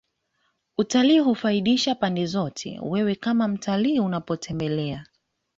utalii hufaidisha pande zote Wewe kama mtalii unapotembelea